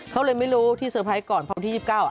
เขาเลยไม่รู้ที่เตอร์ไพรส์ก่อนเพราะวันที่๒๙